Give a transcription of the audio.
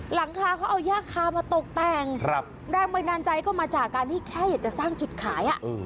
หลังคาเขาเอาย่าคามาตกแต่งแรงบันดาลใจก็มาจากการที่แค่อยากจะสร้างจุดขาย